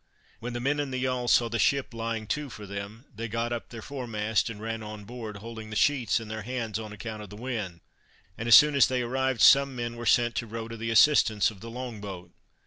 When the men in the yawl saw the ship lying to for them, they got up their foremast, and ran on board, holding the sheets in their hands on account of the wind; and as soon as they arrived some men were sent to row to the assistance of the long boat.